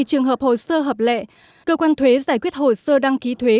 trường hợp hồ sơ hợp lệ cơ quan thuế giải quyết hồ sơ đăng ký thuế